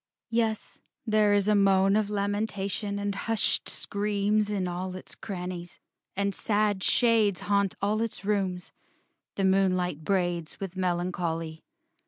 VI Yes, there is moan Of lamentation and hushed screams In all its crannies; and sad shades Haunt all its rooms, the moonlight braids, With melancholy.